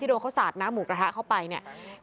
โดนเขาสาดน้ำหมูกระทะเข้าไปเนี่ย